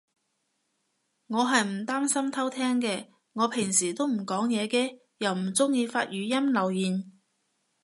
我係唔擔心偷聼嘅，我平時都唔講嘢嘅。又唔中意發語音留言